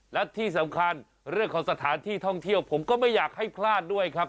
และที่สำคัญเรื่องของสถานที่ท่องเที่ยวผมก็ไม่อยากให้พลาดด้วยครับ